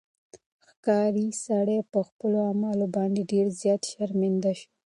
ښکاري سړی په خپلو اعمالو باندې ډېر زیات شرمنده شو.